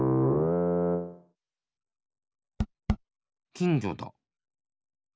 きんぎょだ！